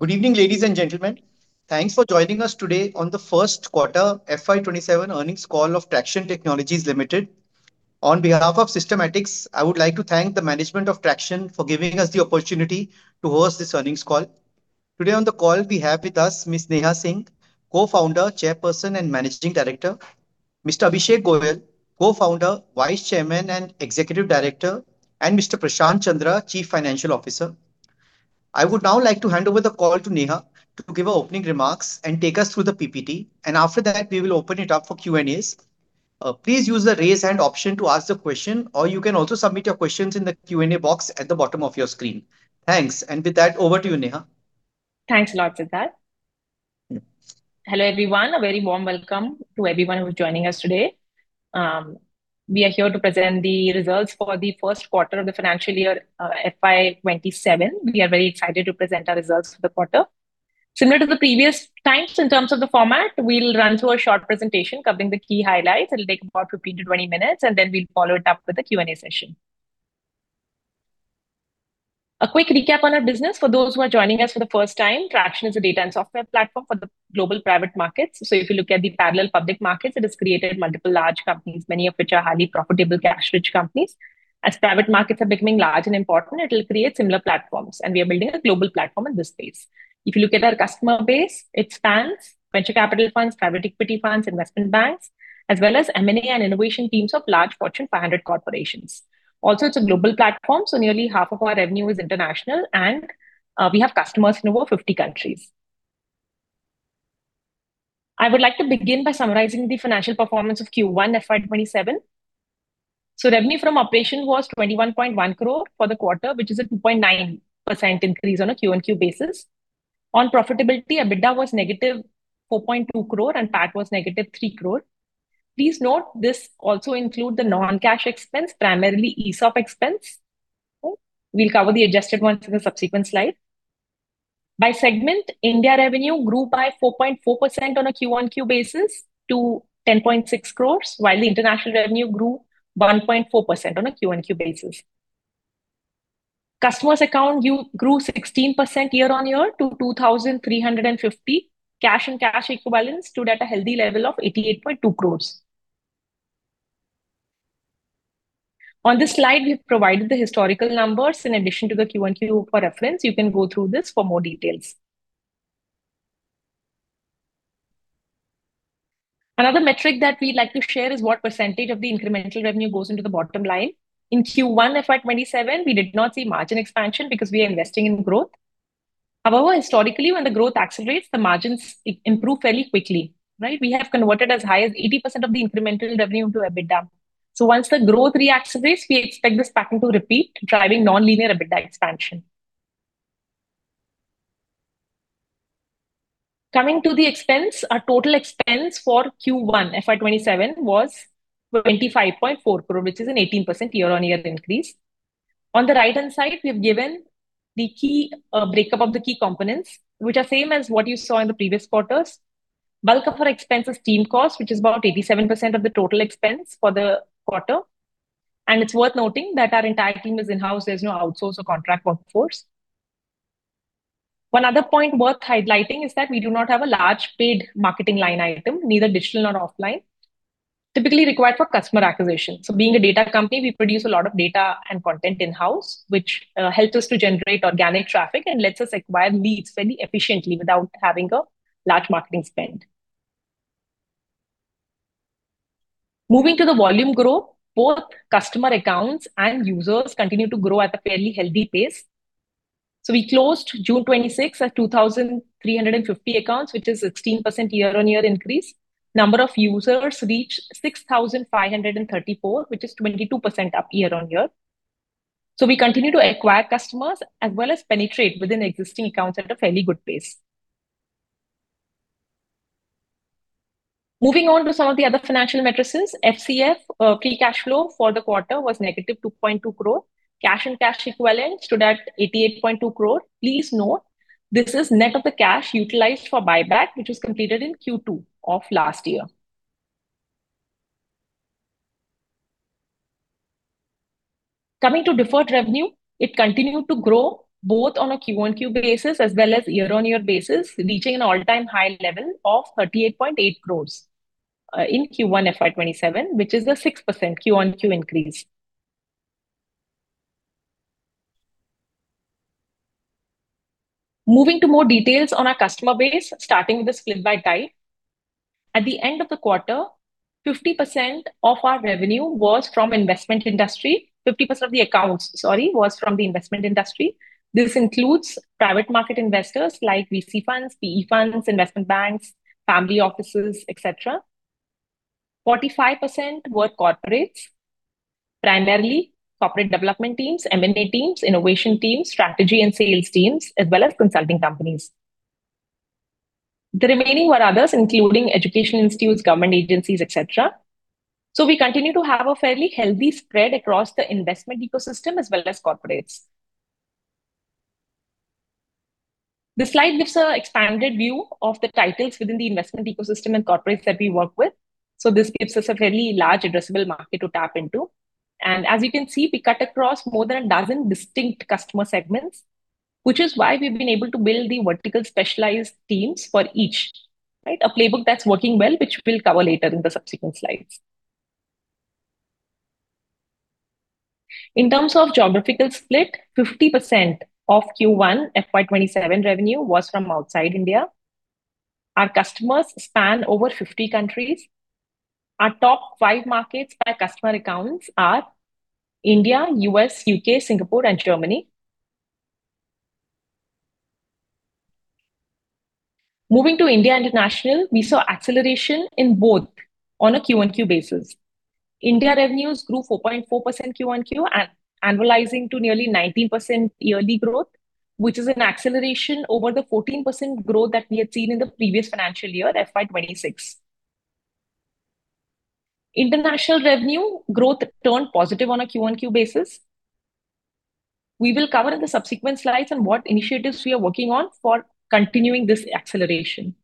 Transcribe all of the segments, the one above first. Good evening, ladies and gentlemen. Thanks for joining us today on the first quarter FY 2027 earnings call of Tracxn Technologies Limited. On behalf of Systematix, I would like to thank the management of Tracxn for giving us the opportunity to host this earnings call. Today on the call we have with us Ms. Neha Singh, Co-founder, Chairperson, and Managing Director. Mr. Abhishek Goyal, Co-founder, Vice Chairman, and Executive Director, and Mr. Prashant Chandra, Chief Financial Officer. I would now like to hand over the call to Neha to give her opening remarks and take us through the PPT. After that, we will open it up for Q&As. Please use the raise hand option to ask the question, or you can also submit your questions in the Q&A box at the bottom of your screen. Thanks. With that, over to you, Neha. Thanks a lot, Sidharth. Hello, everyone. A very warm welcome to everyone who is joining us today. We are here to present the results for the first quarter of the financial year, FY 2027. We are very excited to present our results for the quarter. Similar to the previous times in terms of the format, we will run through a short presentation covering the key highlights. It will take about 15-20 minutes. Then we will follow it up with a Q&A session. A quick recap on our business for those who are joining us for the first time. Tracxn is a data and software platform for the global private markets. If you look at the parallel public markets, it has created multiple large companies, many of which are highly profitable, cash-rich companies. As private markets are becoming large and important, it will create similar platforms, and we are building a global platform in this space. If you look at our customer base, it spans venture capital funds, private equity funds, investment banks, as well as M&A and innovation teams of large Fortune 500 corporations. It is also a global platform, so nearly half of our revenue is international, and we have customers in over 50 countries. I would like to begin by summarizing the financial performance of Q1 FY 2027. Revenue from operation was 21.1 crores for the quarter, which is a 2.9% increase on a Q-on-Q basis. On profitability, EBITDA was -4.2 crores and PAT was -3 crores. Please note, this also include the non-cash expense, primarily ESOP expense. We will cover the adjusted ones in a subsequent slide. By segment, India revenue grew by 4.4% on a Q-on-Q basis to 10.6 crores, while the international revenue grew 1.4% on a Q-on-Q basis. Customers account grew 16% year-over-year to 2,350. Cash and cash equivalents stood at a healthy level of 88.2 crores. On this slide, we have provided the historical numbers in addition to the Q-on-Q for reference. You can go through this for more details. Another metric that we like to share is what percentage of the incremental revenue goes into the bottom line. In Q1 FY 2027, we did not see margin expansion because we are investing in growth. However, historically, when the growth accelerates, the margins improve fairly quickly. Right? We have converted as high as 80% of the incremental revenue into EBITDA. Once the growth reactivates, we expect this pattern to repeat, driving non-linear EBITDA expansion. Coming to the expense, our total expense for Q1 FY 2027 was 25.4 crores, which is an 18% year-on-year increase. On the right-hand side, we've given the breakup of the key components, which are same as what you saw in the previous quarters. Bulk of our expense is team cost, which is about 87% of the total expense for the quarter. It's worth noting that our entire team is in-house. There's no outsource or contract workforce. One other point worth highlighting is that we do not have a large paid marketing line item, neither digital nor offline, typically required for customer acquisition. Being a data company, we produce a lot of data and content in-house, which helps us to generate organic traffic and lets us acquire leads fairly efficiently without having a large marketing spend. Moving to the volume growth, both customer accounts and users continue to grow at a fairly healthy pace. We closed June 2026 at 2,350 accounts, which is 16% year-on-year increase. Number of users reached 6,534, which is 22% up year-on-year. We continue to acquire customers as well as penetrate within existing accounts at a fairly good pace. Moving on to some of the other financial metrics. FCF, free cash flow, for the quarter was -2.2 crores. Cash and cash equivalents stood at 88.2 crores. Please note, this is net of the cash utilized for buyback, which was completed in Q2 of last year. Coming to deferred revenue, it continued to grow both on a Q-on-Q basis as well as year-on-year basis, reaching an all-time high level of 38.8 crores, in Q1 FY 2027, which is a 6% Q-on-Q increase. Moving to more details on our customer base, starting with the split by type. At the end of the quarter, 50% of our revenue was from investment industry. 50% of the accounts, sorry, was from the investment industry. This includes private market investors like VC funds, PE funds, investment banks, family offices, et cetera. 45% were corporates, primarily corporate development teams, M&A teams, innovation teams, strategy and sales teams, as well as consulting companies. The remaining were others, including education institutes, government agencies, et cetera. We continue to have a fairly healthy spread across the investment ecosystem as well as corporates. The slide gives an expanded view of the titles within the investment ecosystem and corporates that we work with. This gives us a fairly large addressable market to tap into. As you can see, we cut across more than a dozen distinct customer segments, which is why we've been able to build the vertical specialized teams for each. A playbook that's working well, which we'll cover later in the subsequent slides. In terms of geographical split, 50% of Q1 FY 2027 revenue was from outside India. Our customers span over 50 countries. Our top five markets by customer accounts are India, U.S., U.K., Singapore, and Germany. Moving to India International, we saw acceleration in both on a Q-on-Q basis. India revenues grew 4.4% Q-on-Q, annualizing to nearly 19% yearly growth, which is an acceleration over the 14% growth that we had seen in the previous financial year, FY 2026. International revenue growth turned positive on a Q-on-Q basis. We will cover in the subsequent slides on what initiatives we are working on for continuing this acceleration.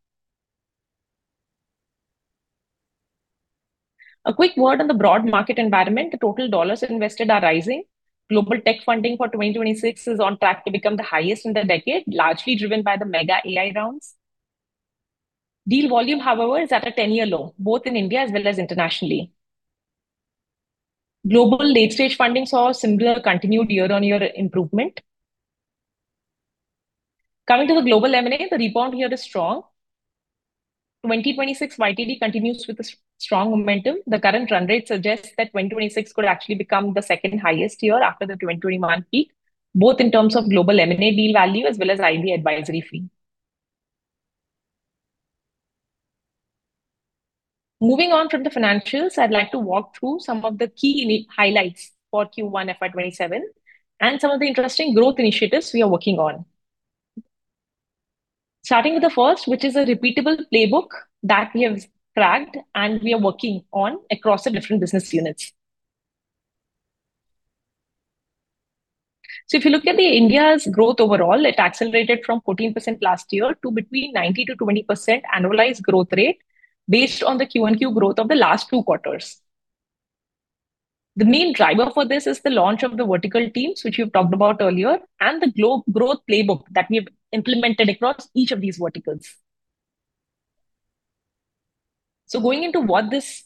A quick word on the broad market environment. The total dollars invested are rising. Global tech funding for 2026 is on track to become the highest in the decade, largely driven by the mega AI rounds. Deal volume, however, is at a 10-year low, both in India as well as internationally. Global late-stage funding saw similar continued year-on-year improvement. Coming to the global M&A, the rebound here is strong. 2026 YTD continues with a strong momentum. The current run rate suggests that 2026 could actually become the second highest year after the 2021 peak, both in terms of global M&A deal value as well as IB advisory fee. Moving on from the financials, I'd like to walk through some of the key highlights for Q1 FY 2027 and some of the interesting growth initiatives we are working on. Starting with the first, which is a repeatable playbook that we have tracked and we are working on across the different business units. If you look at the India's growth overall, it accelerated from 14% last year to between 19%-20% annualized growth rate based on the Q-on-Q growth of the last two quarters. The main driver for this is the launch of the vertical teams, which we've talked about earlier, and the growth playbook that we've implemented across each of these verticals. Going into what this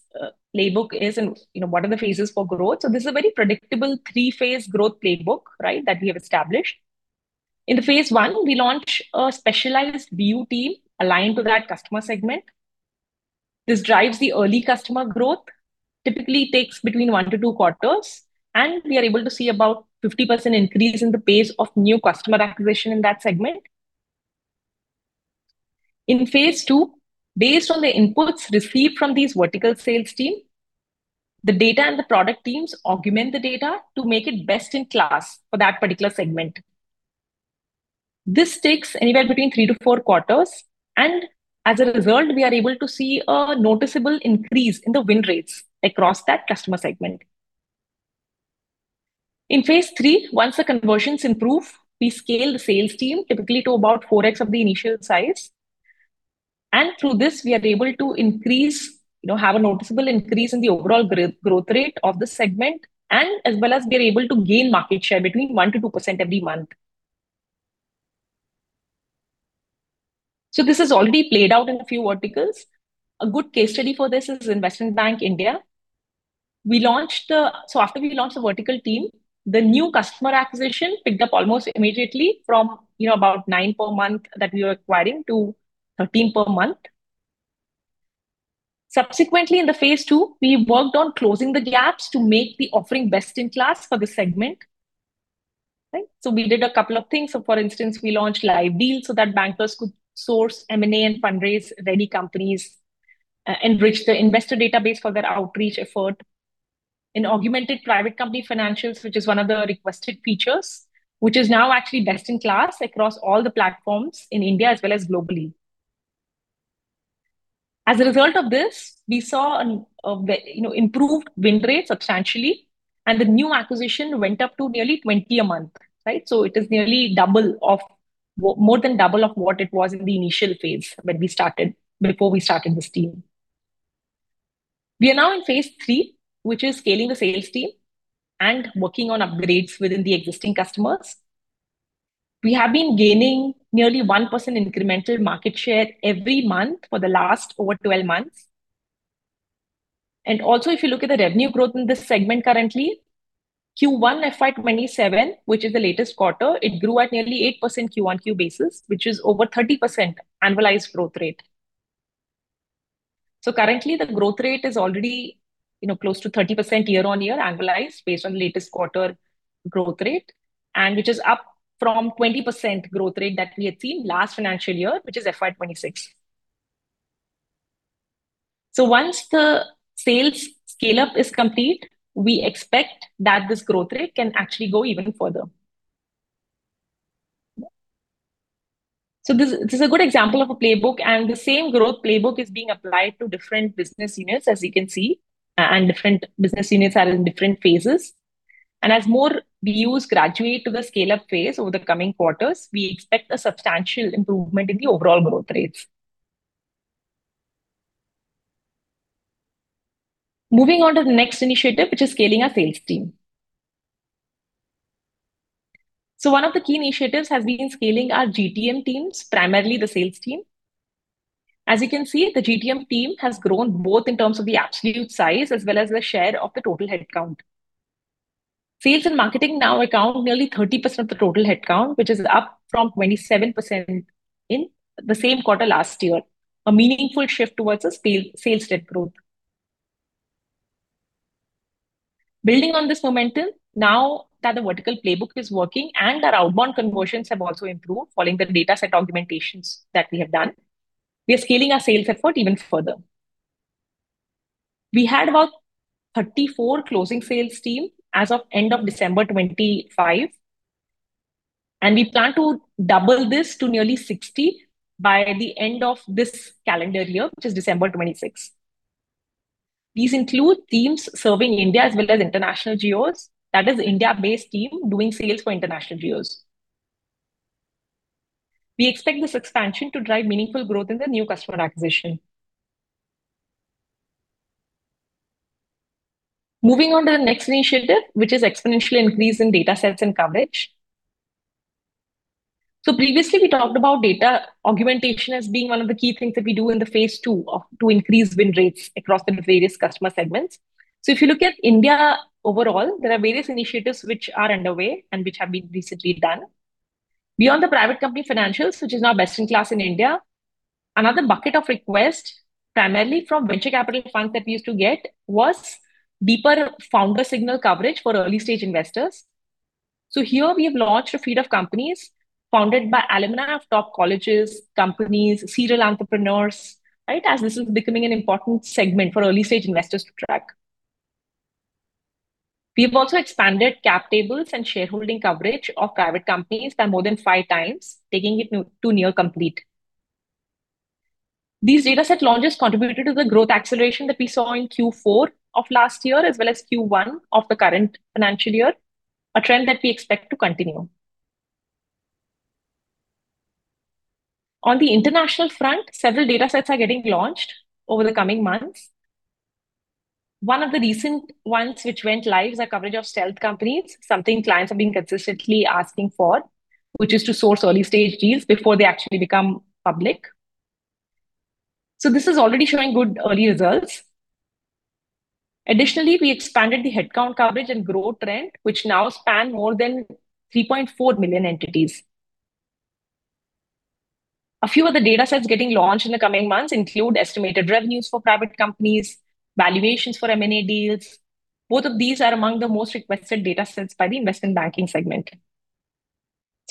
playbook is and what are the phases for growth. This is a very predictable three-phase growth playbook that we have established. In the Phase I, we launch a specialized BU team aligned to that customer segment. This drives the early customer growth, typically takes between one to two quarters, and we are able to see about 50% increase in the pace of new customer acquisition in that segment. In Phase II, based on the inputs received from these vertical sales team, the data and the product teams augment the data to make it best in class for that particular segment. This takes anywhere between three to four quarters, and as a result, we are able to see a noticeable increase in the win rates across that customer segment. In Phase III, once the conversions improve, we scale the sales team typically to about 4x of the initial size. Through this, we are able to have a noticeable increase in the overall growth rate of the segment, and as well as we are able to gain market share between 1%-2% every month. This has already played out in a few verticals. A good case study for this is Investment Bank India. After we launched the vertical team, the new customer acquisition picked up almost immediately from about nine per month that we were acquiring to 13 per month. Subsequently, in the Phase II, we worked on closing the gaps to make the offering best in class for the segment. We did a couple of things. For instance, we launched Live Deal so that bankers could source M&A and fundraise-ready companies, enrich the investor database for their outreach effort, and augmented private company financials, which is one of the requested features, which is now actually best in class across all the platforms in India as well as globally. As a result of this, we saw improved win rates substantially, and the new acquisition went up to nearly 20 a month. It is more than double of what it was in the initial phase when we started, before we started this team. We are now in Phase III, which is scaling the sales team and working on upgrades within the existing customers. We have been gaining nearly 1% incremental market share every month for the last over 12 months. Also, if you look at the revenue growth in this segment currently, Q1 FY 2027, which is the latest quarter, it grew at nearly 8% Q-on-Q basis, which is over 30% annualized growth rate. Currently, the growth rate is already close to 30% year-over-year annualized based on latest quarter growth rate, which is up from 20% growth rate that we had seen last financial year, which is FY 2026. Once the sales scale-up is complete, we expect that this growth rate can actually go even further. This is a good example of a playbook, and the same growth playbook is being applied to different business units, as you can see, and different business units are in different phases. As more BUs graduate to the scale-up phase over the coming quarters, we expect a substantial improvement in the overall growth rates. Moving on to the next initiative, which is scaling our sales team. One of the key initiatives has been scaling our GTM teams, primarily the sales team. As you can see, the GTM team has grown both in terms of the absolute size as well as the share of the total head count. Sales and marketing now account nearly 30% of the total head count, which is up from 27% in the same quarter last year, a meaningful shift towards a sales-led growth. Building on this momentum, now that the vertical playbook is working and our outbound conversions have also improved following the data set augmentations that we have done, we are scaling our sales effort even further. We had about 34 closing sales team as of end of December 2025, and we plan to double this to nearly 60 by the end of this calendar year, which is December 2026. These include teams serving India as well as international geos. That is India-based team doing sales for international geos. We expect this expansion to drive meaningful growth in the new customer acquisition. Moving on to the next initiative, which is exponential increase in data sets and coverage. Previously we talked about data augmentation as being one of the key things that we do in the Phase II to increase win rates across the various customer segments. If you look at India overall, there are various initiatives which are underway and which have been recently done. Beyond the private company financials, which is now best in class in India, another bucket of request, primarily from venture capital funds that we used to get, was deeper founder signal coverage for early-stage investors. Here we have launched a feed of companies founded by alumni of top colleges, companies, serial entrepreneurs, right, as this is becoming an important segment for early-stage investors to track. We have also expanded cap tables and shareholding coverage of private companies by more than five times, taking it to near complete. These data set launches contributed to the growth acceleration that we saw in Q4 of last year, as well as Q1 of the current financial year, a trend that we expect to continue. On the international front, several data sets are getting launched over the coming months. One of the recent ones which went live is our coverage of stealth companies, something clients have been consistently asking for, which is to source early-stage deals before they actually become public. This is already showing good early results. Additionally, we expanded the headcount coverage and growth trend, which now span more than 3.4 million entities. A few of the data sets getting launched in the coming months include estimated revenues for private companies, valuations for M&A deals. Both of these are among the most requested data sets by the investment banking segment.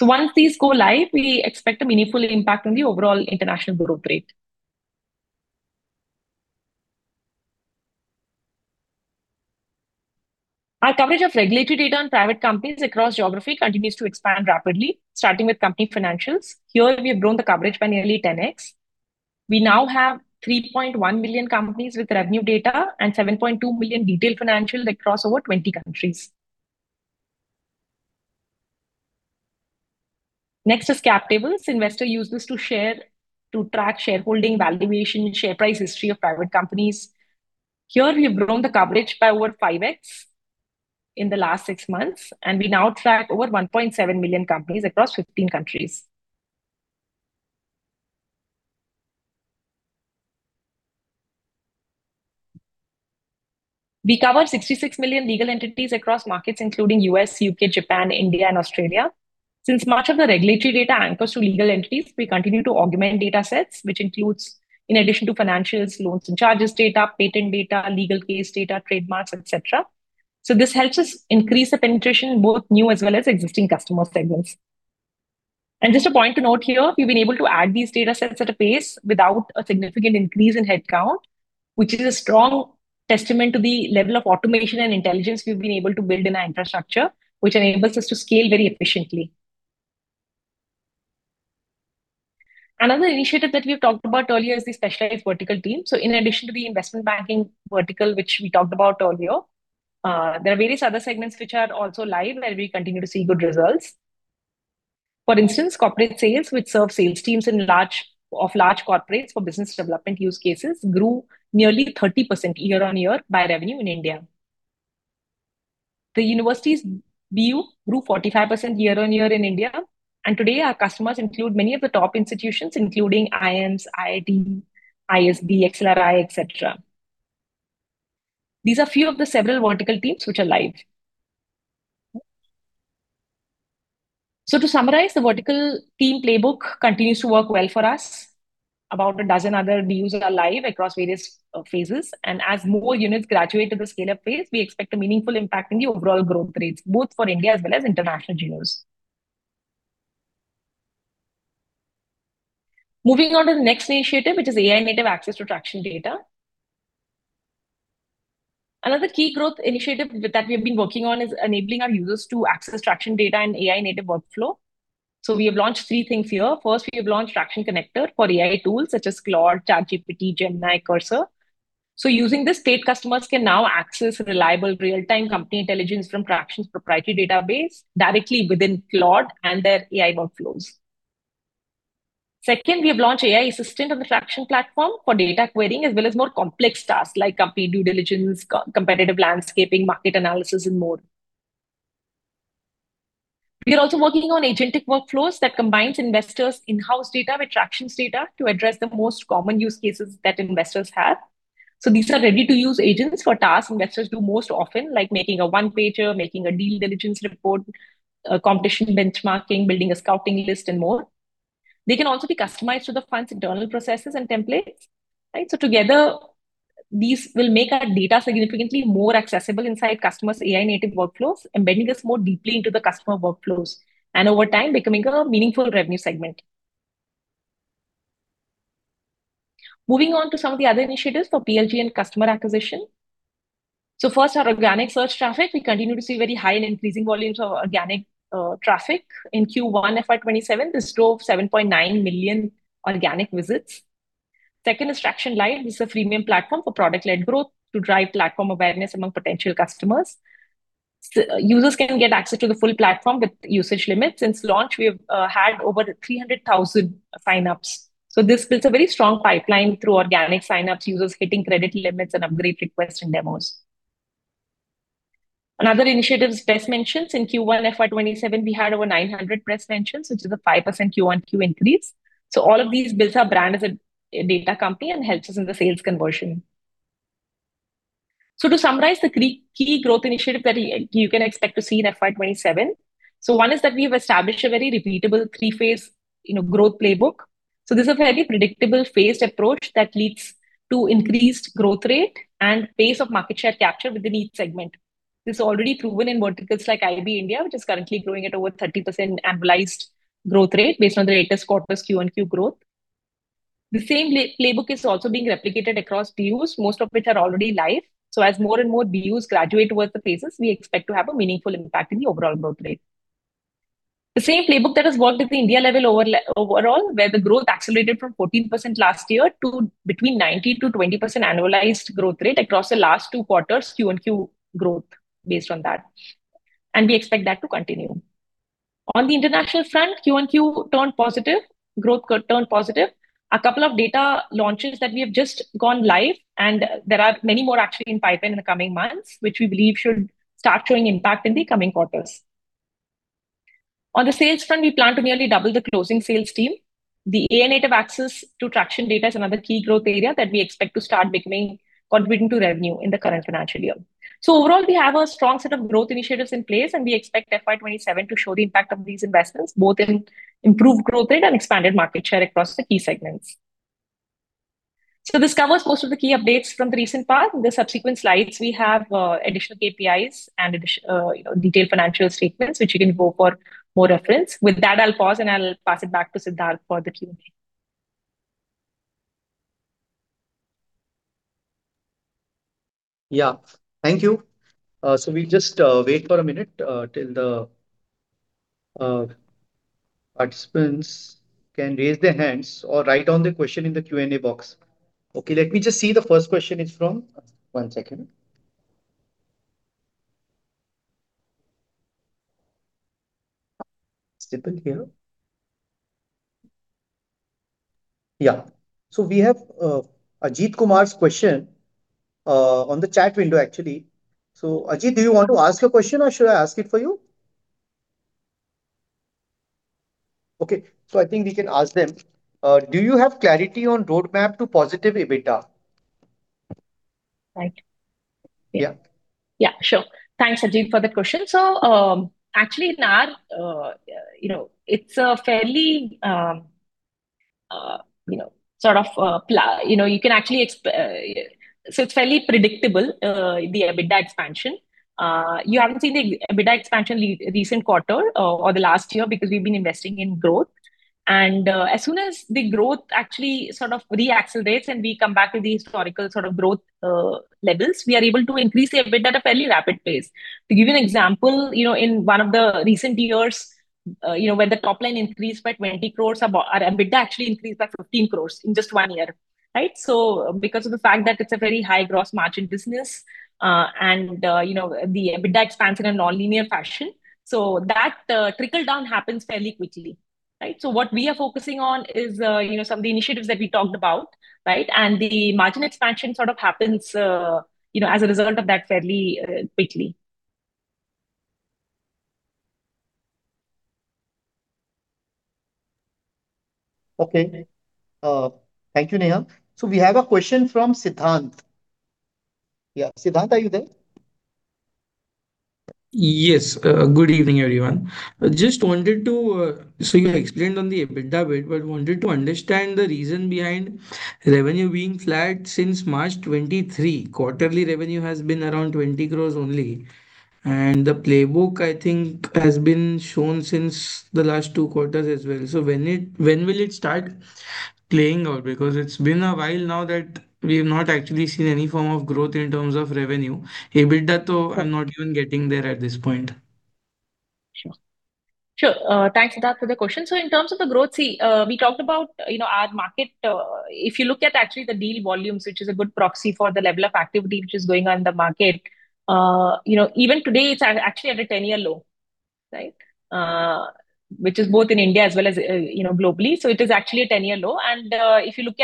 Once these go live, we expect a meaningful impact on the overall international growth rate. Our coverage of regulatory data on private companies across geography continues to expand rapidly, starting with company financials. Here, we have grown the coverage by nearly 10x. We now have 3.1 million companies with revenue data and 7.2 million detailed financials across over 20 countries. Next is cap tables. Investor use this to track shareholding valuation, share price history of private companies. Here, we've grown the coverage by over 5x in the last six months, and we now track over 1.7 million companies across 15 countries. We cover 66 million legal entities across markets including U.S., U.K., Japan, India, and Australia. Since much of the regulatory data anchors to legal entities, we continue to augment data sets, which includes, in addition to financials, loans and charges data, patent data, legal case data, trademarks, et cetera. This helps us increase the penetration, both new as well as existing customer segments. Just a point to note here, we've been able to add these data sets at a pace without a significant increase in head count, which is a strong testament to the level of automation and intelligence we've been able to build in our infrastructure, which enables us to scale very efficiently. Another initiative that we've talked about earlier is the specialized vertical team. In addition to the investment banking vertical, which we talked about earlier, there are various other segments which are also live where we continue to see good results. For instance, corporate sales, which serve sales teams of large corporates for business development use cases, grew nearly 30% year-on-year by revenue in India. The university's BU grew 45% year-on-year in India, and today our customers include many of the top institutions, including IIMs, IIT, ISB, XLRI, et cetera. These are few of the several vertical teams which are live. To summarize, the vertical team playbook continues to work well for us. About a dozen other BUs are live across various phases, and as more units graduate to the scale-up phase, we expect a meaningful impact in the overall growth rates, both for India as well as international geos. Moving on to the next initiative, which is AI-native access to Tracxn data. Another key growth initiative that we've been working on is enabling our users to access Tracxn data in AI-native workflow. We have launched three things here. First, we have launched Tracxn Connector for AI tools such as Claude, ChatGPT, Gemini, Cursor. Using this, paid customers can now access reliable real-time company intelligence from Tracxn's proprietary database directly within Claude and their AI workflows. Second, we have launched AI assistant on the Tracxn platform for data querying, as well as more complex tasks like company due diligence, competitive landscaping, market analysis, and more. We are also working on agentic workflows that combine investors' in-house data with Tracxn's data to address the most common use cases that investors have. These are ready-to-use agents for tasks investors do most often, like making a one-pager, making a deal diligence report, competition benchmarking, building a scouting list, and more. They can also be customized to the client's internal processes and templates. Right. Together, these will make our data significantly more accessible inside customers' AI-native workflows, embedding us more deeply into the customer workflows, and over time, becoming a meaningful revenue segment. Moving on to some of the other initiatives for PLG and customer acquisition. First, our organic search traffic. We continue to see very high and increasing volumes of organic traffic. In Q1 FY 2027, this drove 7.9 million organic visits. Second is Tracxn Lite, which is a freemium platform for product-led growth to drive platform awareness among potential customers. Users can get access to the full platform with usage limits. Since launch, we have had over 300,000 sign-ups. This builds a very strong pipeline through organic sign-ups, users hitting credit limits, and upgrade requests and demos. Another initiative is press mentions. In Q1 FY 2027, we had over 900 press mentions, which is a 5% Q-on-Q increase. All of these build our brand as a data company and help us in the sales conversion. To summarize the three key growth initiatives that you can expect to see in FY 2027. One is that we've established a very repeatable three-phase growth playbook. This is a very predictable phased approach that leads to increased growth rate and pace of market share capture within each segment. This is already proven in verticals like IB India, which is currently growing at over 30% annualized growth rate based on the latest quarter's Q-on-Q. The same playbook is also being replicated across BUs, most of which are already live. As more and more BUs graduate towards the phases, we expect to have a meaningful impact in the overall growth rate. The same playbook that has worked at the India level overall, where the growth accelerated from 14% last year to between 19%-20% annualized growth rate across the last two quarters' Q-on-Q growth based on that. We expect that to continue. On the international front, Q-on-Q turned positive, growth turned positive. A couple of data launches that we have just gone live, and there are many more actually in pipeline in the coming months, which we believe should start showing impact in the coming quarters. On the sales front, we plan to nearly double the closing sales team. The AI-native access to Tracxn data is another key growth area that we expect to start becoming contributing to revenue in the current financial year. Overall, we have a strong set of growth initiatives in place, and we expect FY 2027 to show the impact of these investments, both in improved growth rate and expanded market share across the key segments. This covers most of the key updates from the recent past. In the subsequent slides, we have additional KPIs and detailed financial statements, which you can go for more reference. With that, I'll pause, and I'll pass it back to Sidharth for the Q&A. Thank you. We'll just wait for a minute till the participants can raise their hands or write down their question in the Q&A box. Let me just see the first question is from One second. It's simple here. We have Ajit Kumar's question on the chat window, actually. Ajit, do you want to ask your question, or should I ask it for you? I think we can ask them. Do you have clarity on roadmap to positive EBITDA? Right. Yeah. Sure. Thanks, Ajit, for the question. Actually, it's fairly predictable, the EBITDA expansion. You haven't seen the EBITDA expansion recent quarter or the last year because we've been investing in growth. As soon as the growth actually re-accelerates and we come back to the historical growth levels, we are able to increase the EBITDA at a fairly rapid pace. To give you an example, in one of the recent years, when the top line increased by 20 crores, our EBITDA actually increased by 15 crores in just one year, right? Because of the fact that it's a very high gross margin business, and the EBITDA expands in a nonlinear fashion, that trickle-down happens fairly quickly. Right? What we are focusing on is some of the initiatives that we talked about, right? The margin expansion sort of happens as a result of that fairly quickly. Okay. Thank you, Neha. We have a question from Siddharth. Siddharth, are you there? Yes. Good evening, everyone. You explained on the EBITDA bit, but wanted to understand the reason behind revenue being flat since March 2023. Quarterly revenue has been around 20 crores only, and the playbook, I think, has been shown since the last two quarters as well. When will it start playing out? Because it's been a while now that we've not actually seen any form of growth in terms of revenue. EBITDA, I'm not even getting there at this point. Sure. Thanks, Siddharth, for the question. In terms of the growth, we talked about our market. If you look at actually the deal volumes, which is a good proxy for the level of activity which is going on in the market, even today, it's actually at a 10-year low. Which is both in India as well as globally. It is actually a 10-year low, and even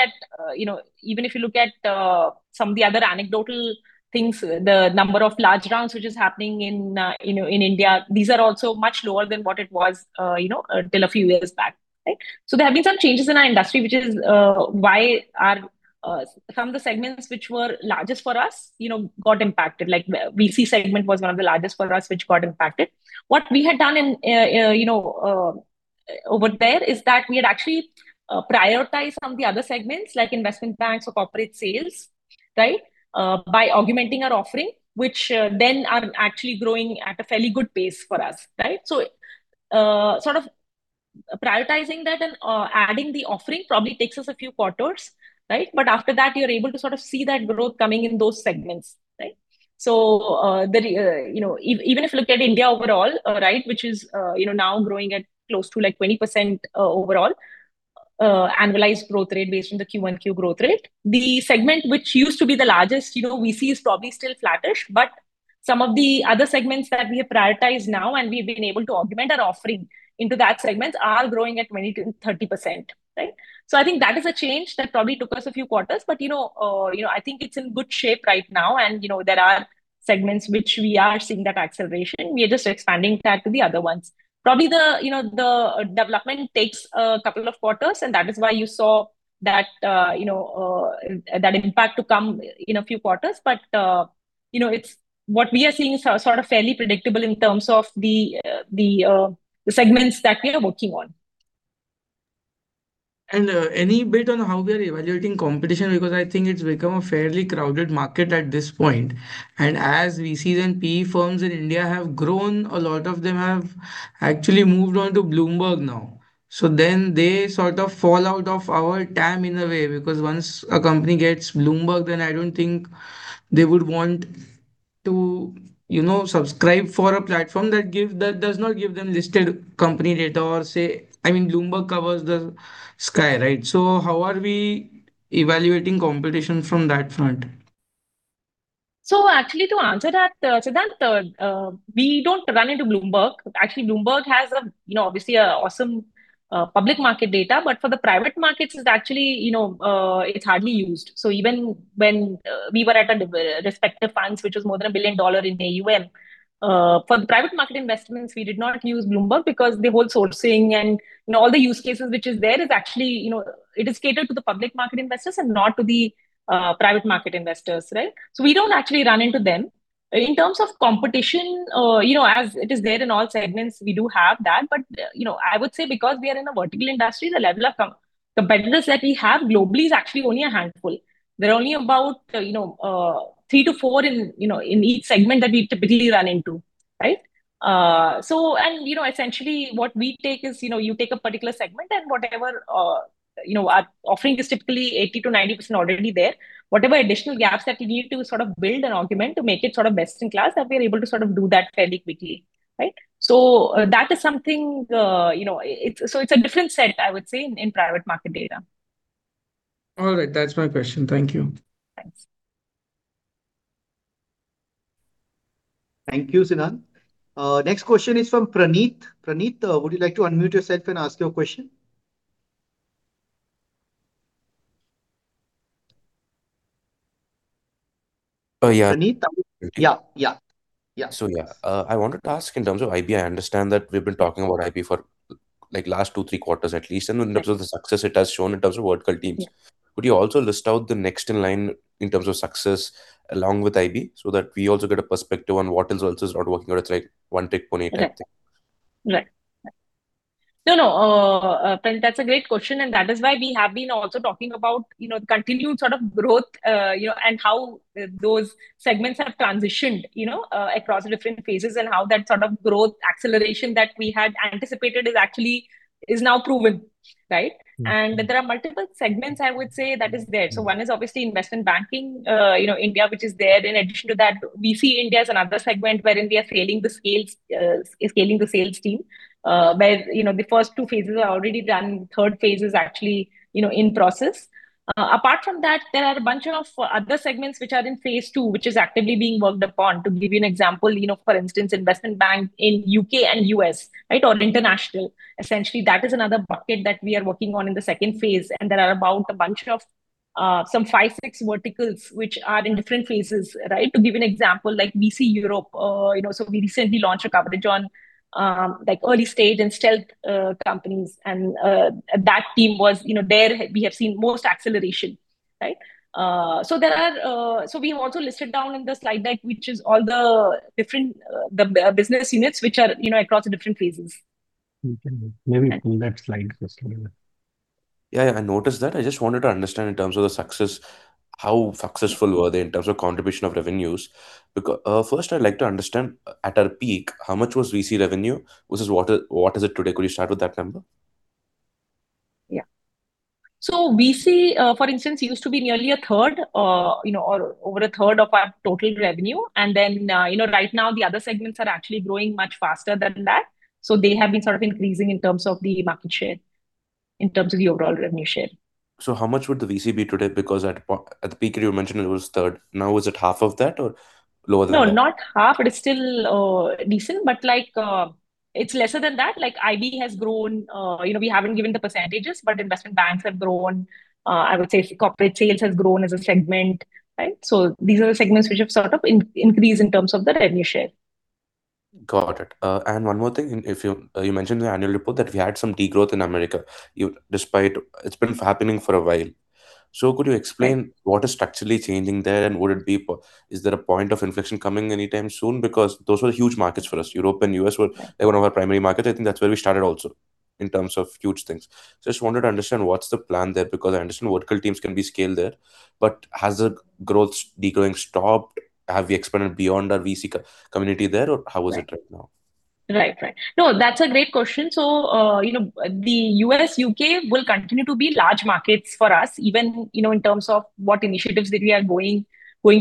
if you look at some of the other anecdotal things, the number of large rounds which is happening in India, these are also much lower than what it was till a few years back. Right? There have been some changes in our industry, which is why some of the segments which were largest for us got impacted. Like VC segment was one of the largest for us, which got impacted. What we had done over there is that we had actually prioritized some of the other segments, like investment banks or corporate sales, by augmenting our offering, which then are actually growing at a fairly good pace for us. Right? Prioritizing that and adding the offering probably takes us a few quarters. After that, you're able to sort of see that growth coming in those segments. Right? Even if you look at India overall, which is now growing at close to 20% overall annualized growth rate based on the Q-on-Q growth rate. The segment which used to be the largest, VC, is probably still flattish, but some of the other segments that we have prioritized now and we've been able to augment our offering into that segment are growing at 20%-30%. Right? I think that is a change that probably took us a few quarters, but I think it's in good shape right now, and there are segments which we are seeing that acceleration. We are just expanding that to the other ones. Probably the development takes a couple of quarters, and that is why you saw that impact to come in a few quarters. What we are seeing is sort of fairly predictable in terms of the segments that we are working on. Any bit on how we are evaluating competition, because I think it's become a fairly crowded market at this point. As VC and PE firms in India have grown, a lot of them have actually moved on to Bloomberg now. They sort of fall out of our TAM in a way, because once a company gets Bloomberg, then I don't think they would want to subscribe for a platform that does not give them listed company data or say Bloomberg covers the sky, right? How are we evaluating competition from that front? Actually, to answer that, Sidharth, we don't run into Bloomberg. Actually, Bloomberg has obviously awesome public market data. For the private markets, it's hardly used. Even when we were at a respective funds, which was more than INR 1 billion in AUM, for the private market investments, we did not use Bloomberg because the whole sourcing and all the use cases which is there, it is catered to the public market investors and not to the private market investors. Right? In terms of competition, as it is there in all segments, we do have that, but I would say because we are in a vertical industry, the level of competitors that we have globally is actually only a handful. There are only about three to four in each segment that we typically run into. Right? Essentially, what we take is, you take a particular segment and our offering is typically 80%-90% already there. Whatever additional gaps that we need to build and augment to make it best in class, that we are able to do that fairly quickly. Right? It's a different set, I would say, in private market data. All right. That's my question. Thank you. Thanks. Thank you, Sidharth. Next question is from Praneet. Praneet, would you like to unmute yourself and ask your question? Yeah. Praneet, yeah. I wanted to ask in terms of IB, I understand that we've been talking about IB for last two, three quarters at least, and in terms of the success it has shown in terms of vertical teams. Yeah. Could you also list out the next in line in terms of success along with IB so that we also get a perspective on what is also is not working or it's like one-trick pony type thing? Right. Praneet, that's a great question, and that is why we have been also talking about continued growth, and how those segments have transitioned across different phases, and how that sort of growth acceleration that we had anticipated is now proven. Right? There are multiple segments, I would say, that is there. One is obviously Investment Banking India, which is there. In addition to that, we see India as another segment wherein we are scaling the sales team, where the first two phases are already done. Third phase is actually in process. Apart from that, there are a bunch of other segments which are in Phase II, which is actively being worked upon. To give you an example, for instance, investment bank in U.K. and U.S. or international, essentially, that is another bucket that we are working on in the Phase II. There are about a bunch of some five, six verticals which are in different phases. To give you an example, like VC Europe. We recently launched a coverage on early stage and stealth companies, and that team there, we have seen most acceleration. Right? We have also listed down in the slide deck, which is all the different business units which are across the different phases. Maybe pull that slide first. I noticed that. I just wanted to understand in terms of the success, how successful were they in terms of contribution of revenues? Because first I'd like to understand at our peak, how much was VC revenue versus what is it today? Could you start with that number? VC, for instance, used to be nearly a third or over a third of our total revenue. Right now the other segments are actually growing much faster than that. They have been sort of increasing in terms of the market share, in terms of the overall revenue share. How much would the VC be today? Because at the peak you mentioned it was a third. Now is it half of that or lower than that? No, not half. It is still decent, but it's lesser than that. IB has grown. We haven't given the percentages, but investment banks have grown. I would say corporate sales has grown as a segment. Right? These are the segments which have sort of increased in terms of the revenue share. Got it. One more thing, you mentioned in the annual report that we had some degrowth in America. It's been happening for a while. Could you explain what is structurally changing there, and is there a point of inflection coming anytime soon? Because those were huge markets for us. Europe and U.S. were one of our primary markets. I think that's where we started also, in terms of huge things. Just wanted to understand what's the plan there, because I understand vertical teams can be scaled there, but has the degrowth stopped? Have we expanded beyond our VC community there, or how is it right now? Right. No, that's a great question. The U.S., U.K. will continue to be large markets for us, even in terms of what initiatives that we are going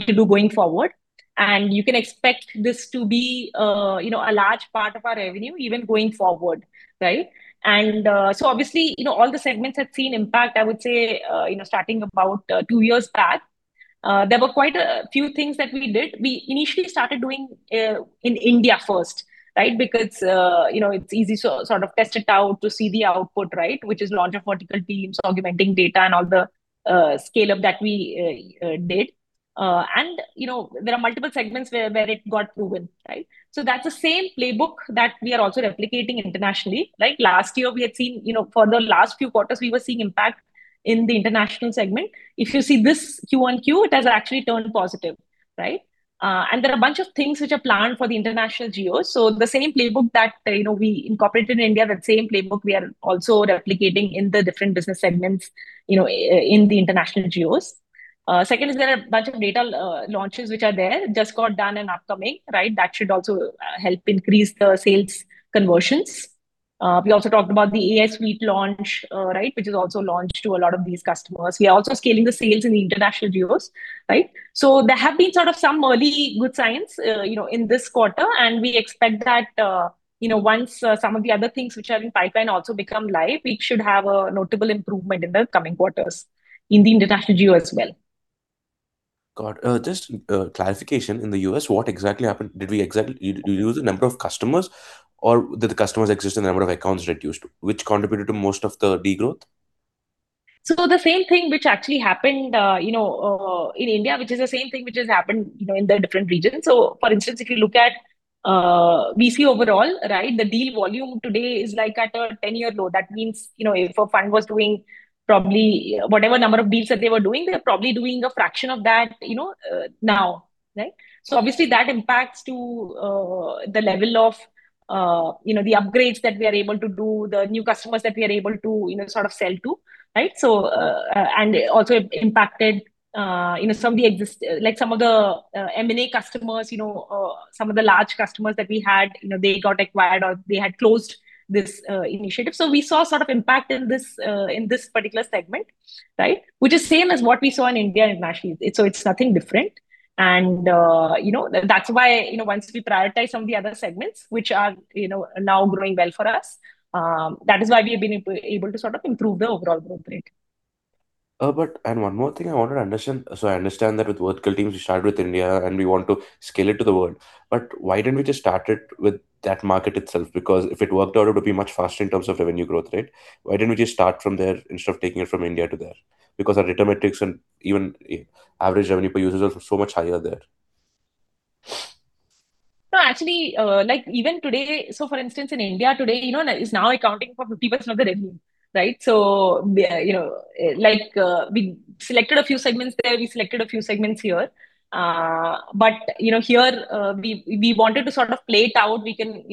to do going forward. You can expect this to be a large part of our revenue, even going forward, right? Obviously, all the segments have seen impact, I would say, starting about two years back. There were quite a few things that we did. We initially started doing in India first, right? Because it's easy to sort of test it out to see the output, right? Which is launch of vertical teams, augmenting data, and all the scale-up that we did. There are multiple segments where it got proven, right? That's the same playbook that we are also replicating internationally. Last year we had seen, for the last few quarters, we were seeing impact in the international segment. If you see this Q-on-Q, it has actually turned positive, right? There are a bunch of things which are planned for the international geos. The same playbook that we incorporated in India, that same playbook we are also replicating in the different business segments in the international geos. Second is there are a bunch of data launches which are there, just got done and upcoming, right? That should also help increase the sales conversions. We also talked about the AI Suite launch, right, which is also launched to a lot of these customers. We are also scaling the sales in the international geos, right? There have been sort of some early good signs in this quarter, and we expect that once some of the other things which are in pipeline also become live, we should have a notable improvement in the coming quarters in the international geo as well. Got it. Just clarification, in the U.S., what exactly happened? Did you lose a number of customers, or did the customers exist and the number of accounts reduced? Which contributed to most of the degrowth? The same thing which actually happened in India, which is the same thing which has happened in the different regions. For instance, if you look at VC overall, right? The deal volume today is at a 10-year low. That means if a fund was doing probably whatever number of deals that they were doing, they're probably doing a fraction of that now, right? Obviously, that impacts to the level of the upgrades that we are able to do, the new customers that we are able to sell to, right? Also impacted some of the M&A customers, some of the large customers that we had, they got acquired or they had closed this initiative. We saw sort of impact in this particular segment, right? Which is same as what we saw in India and nationally. It's nothing different, and that's why once we prioritize some of the other segments, which are now growing well for us, that is why we've been able to sort of improve the overall growth rate. One more thing I wanted to understand. I understand that with vertical teams, we started with India, and we want to scale it to the world. Why didn't we just start it with that market itself? Because if it worked out, it would be much faster in terms of revenue growth, right? Why didn't we just start from there instead of taking it from India to there? Because our data metrics and even average revenue per users are so much higher there. No, actually, even today, for instance, in India today, it's now accounting for 50% of the revenue, right? We selected a few segments there, we selected a few segments here. Here, we wanted to sort of play it out. We can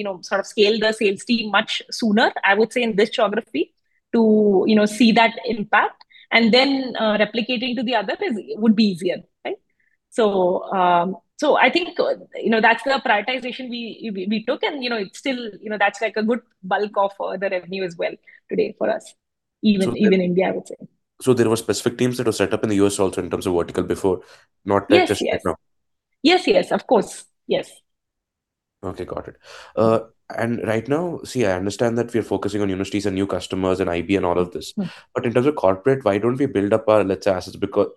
scale the sales team much sooner, I would say, in this geography to see that impact and then replicating to the other would be easier, right? I think that's the prioritization we took, and that's like a good bulk of the revenue as well today for us, even India, I would say. There were specific teams that were set up in the U.S. also in terms of vertical before, not like just now. Yes. Of course. Yes. Okay, got it. Right now, see, I understand that we are focusing on universities and new customers and IB and all of this. In terms of corporate, why don't we build up our let's assets because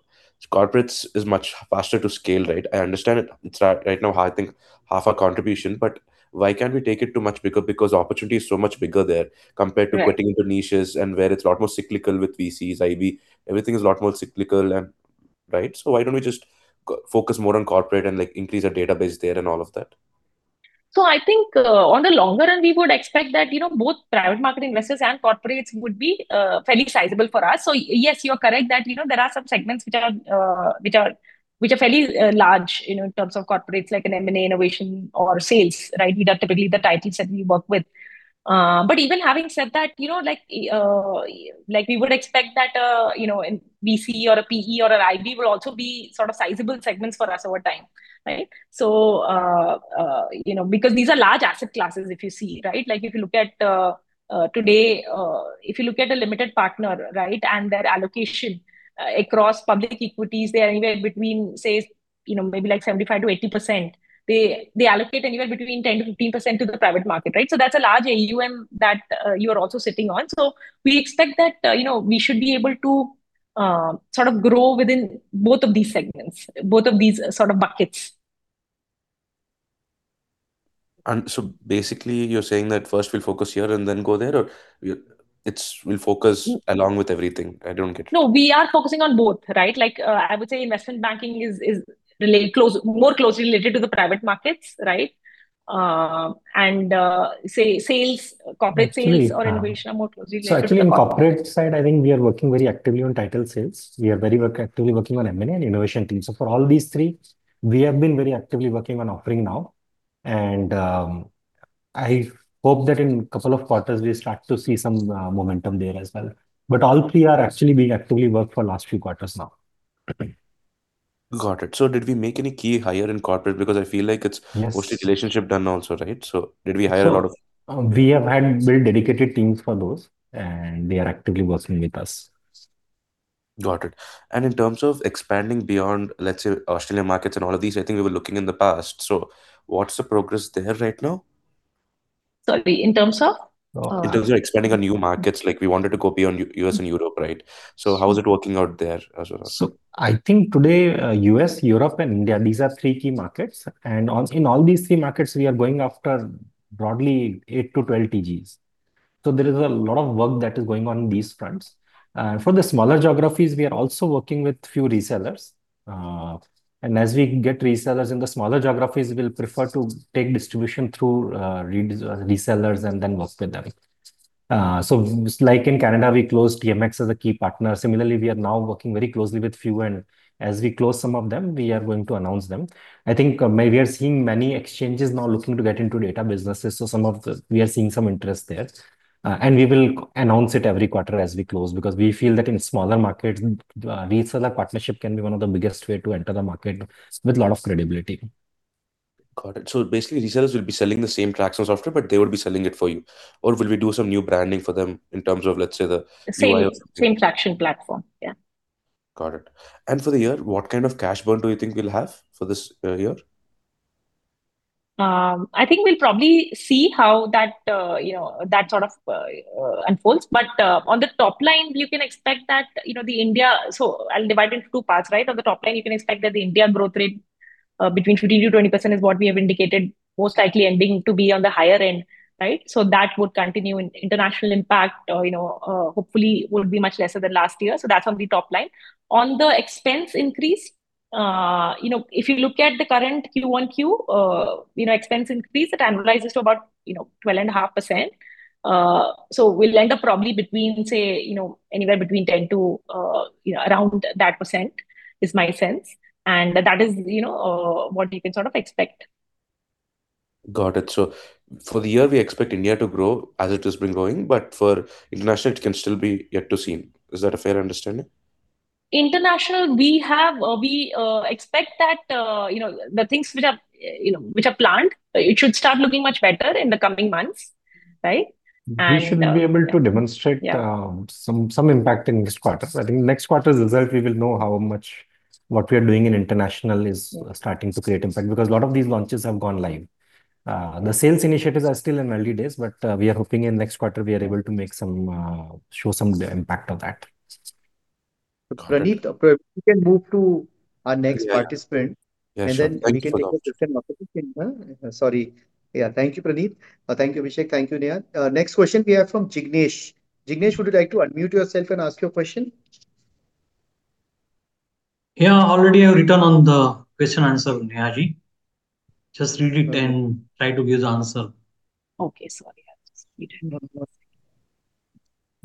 corporates is much faster to scale, right? I understand it's right now, I think, half our contribution, but why can't we take it to much bigger because opportunity is so much bigger there compared to getting into niches and where it's a lot more cyclical with VCs, IB, everything is a lot more cyclical and Right? Why don't we just focus more on corporate and increase our database there and all of that? I think on the longer run, we would expect that both private market investors and corporates would be fairly sizable for us. Yes, you're correct that there are some segments which are fairly large in terms of corporates like an M&A innovation or sales, right? These are typically the titles that we work with. But even having said that, we would expect that VC or a PE or an IB would also be sort of sizable segments for us over time. Right? Because these are large asset classes, if you see, right? Like if you look at Today, if you look at a limited partner, right, and their allocation across public equities, they are anywhere between, say, maybe 75%-80%. They allocate anywhere between 10%-15% to the private market, right? That's a large AUM that you are also sitting on. We expect that we should be able to grow within both of these segments, both of these buckets. Basically you're saying that first we'll focus here and then go there? Or we'll focus along with everything? I don't get it. No, we are focusing on both, right? I would say investment banking is more closely related to the private markets, right? Say, corporate sales or innovation are more closely related to the public. Actually on the corporate side, I think we are working very actively on title sales. We are very actively working on M&A and innovation team. For all these three, we have been very actively working on offering now, and I hope that in a couple of quarters, we start to see some momentum there as well. All three we actively work for last few quarters now. Got it. Did we make any key hire in corporate mostly relationship done also, right? We have had built dedicated teams for those, and they are actively working with us. Got it. In terms of expanding beyond, let's say, Australian markets and all of these, I think we were looking in the past. What's the progress there right now? Sorry, in terms of? In terms of expanding on new markets. Like we wanted to go beyond U.S. and Europe, right? How is it working out there as well? I think today, U.S., Europe, and India, these are three key markets. In all these three markets, we are going after broadly 8-12 TGs. There is a lot of work that is going on these fronts. For the smaller geographies, we are also working with few resellers. As we get resellers in the smaller geographies, we'll prefer to take distribution through resellers and then work with them. Like in Canada, we closed TMX as a key partner. Similarly, we are now working very closely with few, and as we close some of them, we are going to announce them. I think we are seeing many exchanges now looking to get into data businesses, we are seeing some interest there. We will announce it every quarter as we close, because we feel that in smaller markets, reseller partnership can be one of the biggest way to enter the market with a lot of credibility. Got it. Basically, resellers will be selling the same Tracxn software, but they will be selling it for you. Will we do some new branding for them in terms of, let's say, the UI or something? Same Tracxn platform. Yeah. Got it. For the year, what kind of cash burn do you think we'll have for this year? I think we'll probably see how that unfolds. On the top line, you can expect that I'll divide it into two parts, right? On the top line, you can expect that the India growth rate between 15%-20% is what we have indicated, most likely ending to be on the higher end. Right? That would continue. International impact, hopefully, would be much lesser than last year. That's on the top line. On the expense increase, if you look at the current Q-on-Q expense increase, it annualizes to about 12.5%. We'll end up probably anywhere between 10% to around that percent, is my sense. That is what you can sort of expect. Got it. For the year, we expect India to grow as it has been growing, for international, it can still be yet to seen. Is that a fair understanding? International, we expect that the things which are planned, it should start looking much better in the coming months. Right? We should be able to demonstrate some impact in this quarter. I think next quarter's result, we will know how much what we are doing in international is starting to create impact, because a lot of these launches have gone live. The sales initiatives are still in early days, but we are hoping in next quarter we are able to show some impact of that. Got it. Praneet, we can move to our next participant. Yeah, sure. Thank you for now. Sorry. Yeah. Thank you, Praneet. Thank you, Abhishek. Thank you, Neha. Next question we have from Jignesh. Jignesh, would you like to unmute yourself and ask your question? Yeah, already I've written on the question answer, Neha Ji. Just read it and try to give the answer. Okay, sorry. I just muted on your-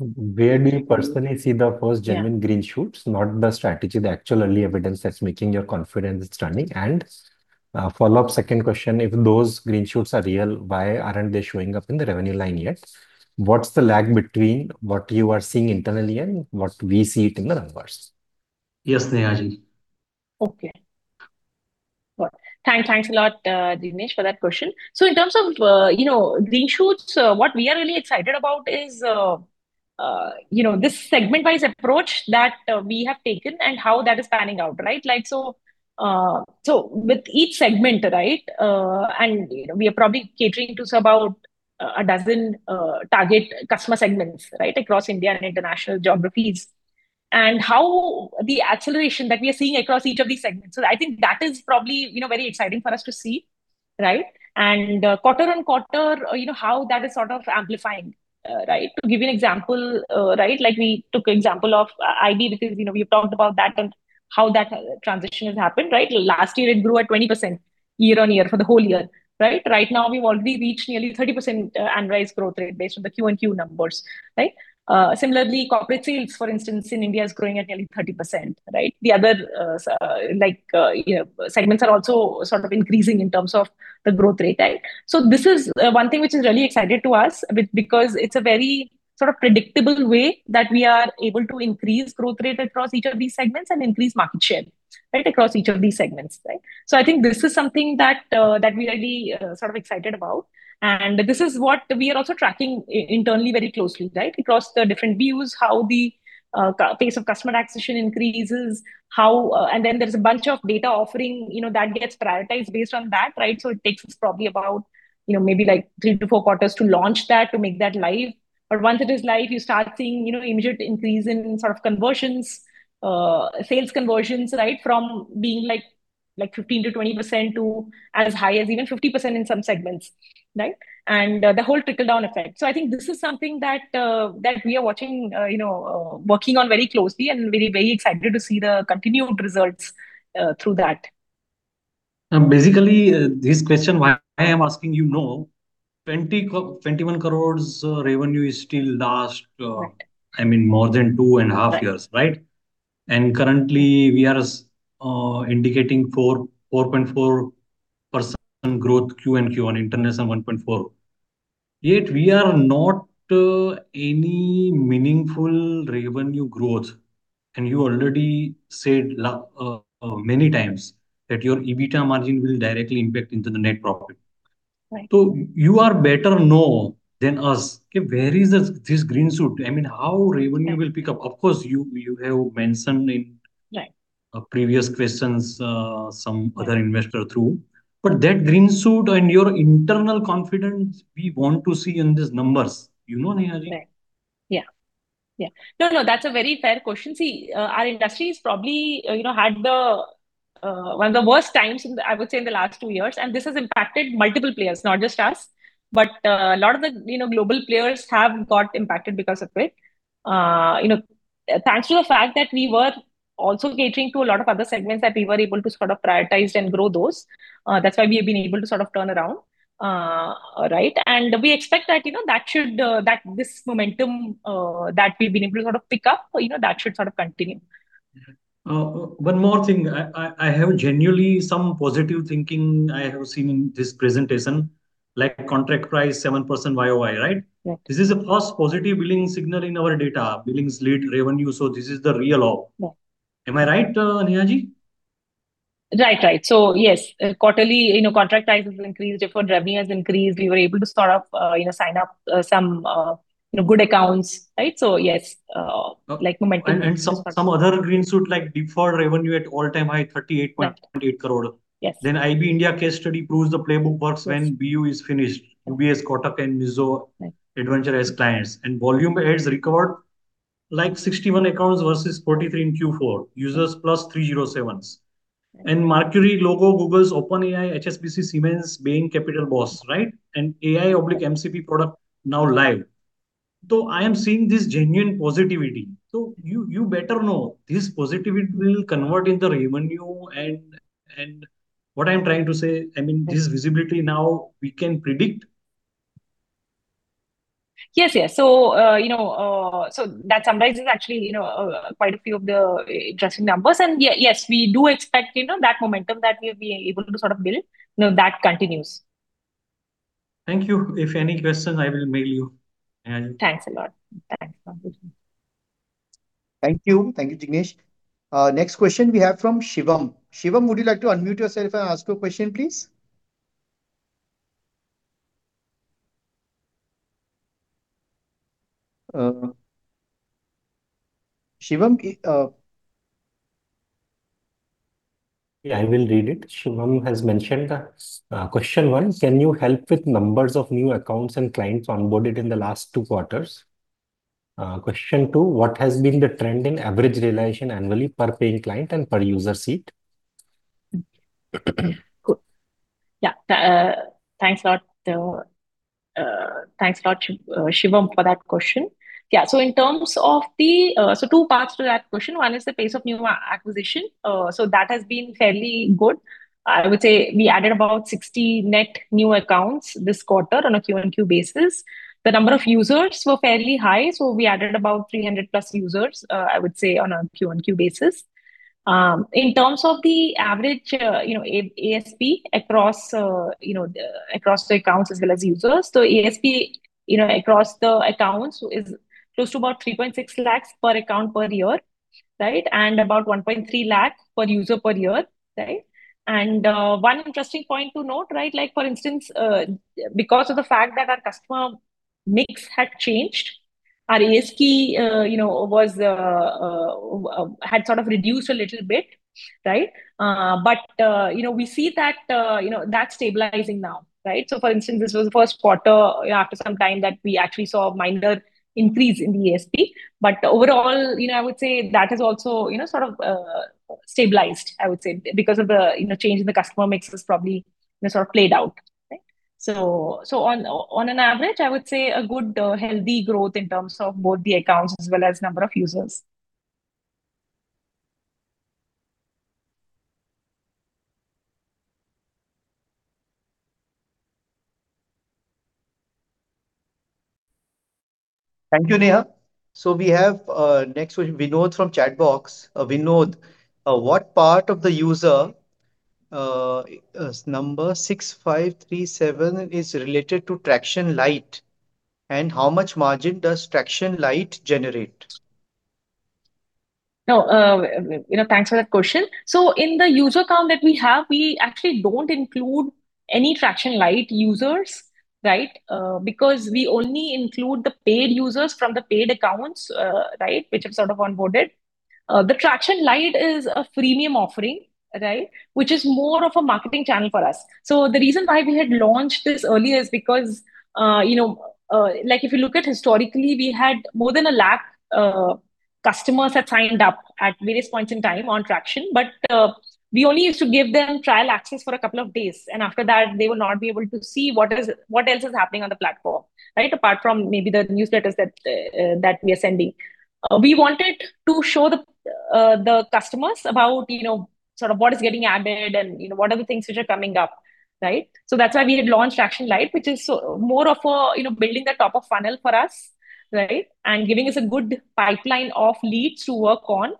Where do you personally see the first genuine green shoots? Not the strategy, the actual early evidence that's making you confident it's turning. Follow-up, second question, if those green shoots are real, why aren't they showing up in the revenue line yet? What's the lag between what you are seeing internally and what we see it in the numbers? Yes, Neha Ji. Okay. Thanks a lot, Jignesh, for that question. In terms of green shoots, what we are really excited about is this segment-wise approach that we have taken and how that is panning out, right? With each segment, right, and we are probably catering to about a dozen target customer segments, right, across India and international geographies. How the acceleration that we are seeing across each of these segments. I think that is probably very exciting for us to see. Right? Quarter-on-quarter, how that is sort of amplifying. Right? To give you an example, right, like we took example of IB because we've talked about that and how that transition has happened, right? Last year, it grew at 20% year-on-year for the whole year. Right? Right now, we've already reached nearly 30% annualized growth rate based on the Q1 numbers, right? Similarly, corporate sales, for instance, in India is growing at nearly 30%, right? The other segments are also sort of increasing in terms of the growth rate. This is one thing which is really exciting to us, because it's a very sort of predictable way that we are able to increase growth rate across each of these segments and increase market share, right, across each of these segments, right? I think this is something that we are really sort of excited about. This is what we are also tracking internally very closely, right? Across the different views, how the pace of customer acquisition increases. There's a bunch of data offering that gets prioritized based on that, right? It takes us probably about maybe three to four quarters to launch that, to make that live. Once it is live, you start seeing immediate increase in sort of conversions, sales conversions, right? From being 15%-20% to as high as even 50% in some segments, right? The whole trickle-down effect. I think this is something that we are working on very closely and very excited to see the continued results through that. This question, why I am asking you now, 21 crores revenue is still. Right I mean, more than two and a half years, right? Currently, we are indicating 4.4% growth Q-on-Q on international 1.4%. We are not any meaningful revenue growth. You already said many times that your EBITDA margin will directly impact into the net profit. Right. You are better know than us, where is this green shoot? I mean, how revenue will pick up. Of course, you have mentioned. Right Previous questions, some other investor through. That green shoot and your internal confidence, we want to see in these numbers. You know, Neha, right? Right. That's a very fair question. Our industry has probably had one of the worst times, I would say, in the last two years. This has impacted multiple players, not just us. A lot of the global players have got impacted because of it. Thanks to the fact that we were also catering to a lot of other segments that we were able to sort of prioritize and grow those. That's why we have been able to sort of turn around. Right? We expect that this momentum that we've been able to sort of pick up, that should sort of continue. One more thing. I have genuinely some positive thinking I have seen in this presentation, like contract price 7% YoY, right? Right. This is the first positive billing signal in our data. Billing lead revenue, this is the real op. Yeah. Am I right, Neha Ji? Right. Yes, quarterly contract prices have increased, deferred revenue has increased. We were able to sign up some good accounts, right? Yes. Some other green shoot, like deferred revenue at all-time high 38.8 crores. Yes. IB India case study proves the playbook works when BU is finished. UBS, Kotak, and Mizuho Securities as clients. Volume adds record like 61 accounts versus 43 in Q4. Users plus 307s. Mercury logo, Google, OpenAI, HSBC, Siemens, Bain Capital, BOSS, right? AI/MCP product now live. I am seeing this genuine positivity. You better know, this positivity will convert into revenue, and what I mean, this visibility now, we can predict? Yes. That summarizes actually quite a few of the interesting numbers. Yes, we do expect that momentum that we have been able to sort of build, that continues. Thank you. If any question, I will mail you. Thanks a lot. Thanks. Thank you. Thank you, Jignesh. Next question we have from Shivam. Shivam, would you like to unmute yourself and ask your question, please? Yeah, I will read it. Shivam has mentioned, question one, can you help with numbers of new accounts and clients onboarded in the last two quarters? Question two, what has been the trend in average realization annually per paying client and per user seat? Yeah. Thanks a lot, Shivam, for that question. Two parts to that question. One is the pace of new acquisition. That has been fairly good. I would say we added about 60 net new accounts this quarter on a Q-on-Q basis. The number of users were fairly high. We added about 300+ users, I would say, on a Q-on-Q basis. In terms of the average ASP across the accounts as well as users. ASP across the accounts is close to about 3.6 lakhs per account per year, right? About 1.3 lakh per user per year. Right? One interesting point to note, right, like for instance, because of the fact that our customer mix had changed, our ASP had sort of reduced a little bit, right? We see that's stabilizing now, right? For instance, this was the first quarter after some time that we actually saw a minor increase in the ASP. Overall, I would say that has also sort of stabilized, I would say, because of the change in the customer mix has probably sort of played out. Right? On an average, I would say a good, healthy growth in terms of both the accounts as well as number of users. Thank you, Neha. We have next question, Vinod from Chatbox. Vinod, what part of the user number 6,534 is related to Tracxn Lite, and how much margin does Tracxn Lite generate? Thanks for that question. In the user count that we have, we actually don't include any Tracxn Lite users, right? Because we only include the paid users from the paid accounts, right, which have sort of onboarded. The Tracxn Lite is a freemium offering, which is more of a marketing channel for us. The reason why we had launched this earlier is because, if you look at historically, we had more than 1 lakh customers that signed up at various points in time on Tracxn, but we only used to give them trial access for a couple of days, and after that they will not be able to see what else is happening on the platform apart from maybe the newsletters that we are sending. We wanted to show the customers about what is getting added, and what are the things which are coming up. That's why we had launched Tracxn Lite, which is more of building the top of funnel for us, and giving us a good pipeline of leads to work on.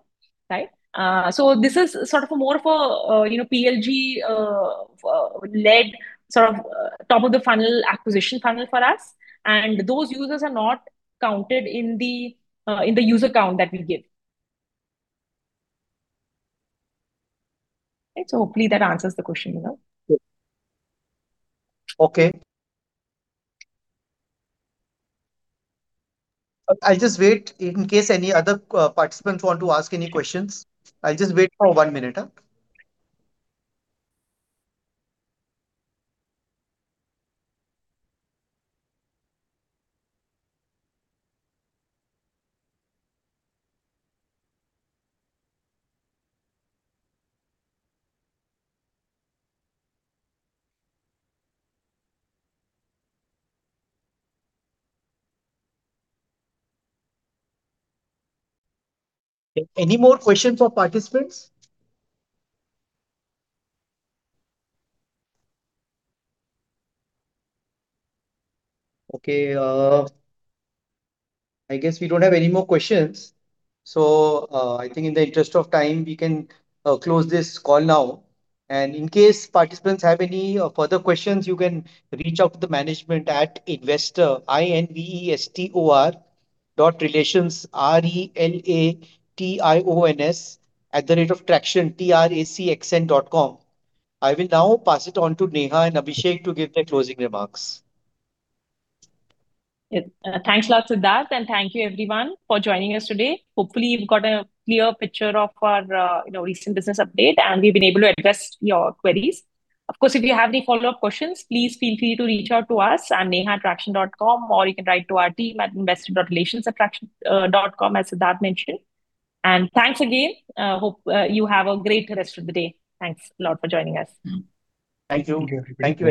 This is more of a PLG-led top of the funnel acquisition funnel for us, and those users are not counted in the user count that we give. Hopefully that answers the question. Okay. I'll just wait in case any other participants want to ask any questions. I'll just wait for one minute. Any more questions for participants? Okay. I guess we don't have any more questions, I think in the interest of time, we can close this call now. In case participants have any further questions, you can reach out to the management at investor.relations@tracxn.com. I will now pass it on to Neha and Abhishek to give their closing remarks. Thanks a lot, Sidharth, thank you everyone for joining us today. Hopefully, you've got a clear picture of our recent business update, and we've been able to address your queries. Of course, if you have any follow-up questions, please feel free to reach out to us at neha@tracxn.com, or you can write to our team at investor.relations@tracxn.com, as Sidharth mentioned. Thanks again. Hope you have a great rest of the day. Thanks a lot for joining us. Thank you. Thank you. Thank you very much.